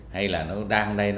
hay là đang đây